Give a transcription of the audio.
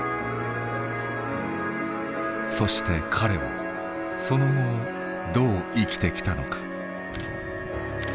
そして彼はその後をどう生きてきたのか。